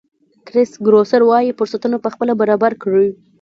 کرېس ګروسر وایي فرصتونه پخپله برابر کړئ.